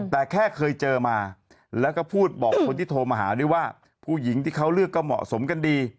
แต่แค่เคยเจอมาแล้วก็พูดบอกคนที่โทรมาหาด้วยว่าผู้หญิงที่เขาเลือกก็เหมาะสมกันดี